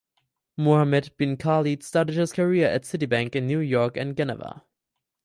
Mohammed bin Khalid started his career at Citibank in New York and Geneva.